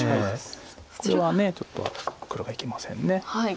これはちょっと黒がいけません。